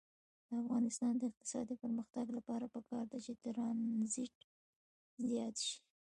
د افغانستان د اقتصادي پرمختګ لپاره پکار ده چې ترانزیت زیات شي.